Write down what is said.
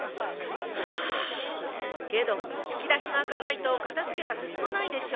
ハァけど引き出しが開かないと片付けが進まないでしょ？